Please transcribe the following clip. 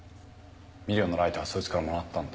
ミリオンのライターはそいつからもらったんだ。